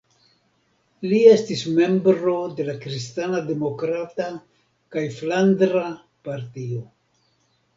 Li estis membro de la kristana demokrata kaj flandra partio.